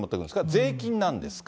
税金なんですか？